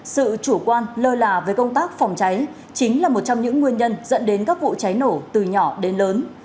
sự chủ quan lơ là với công tác phòng cháy chính là một trong những nguyên nhân dẫn đến các vụ cháy nổ từ nhỏ đến lớn